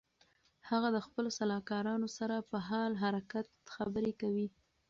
هغه د خپلو سلاکارانو سره په حال حرکت خبرې کوي.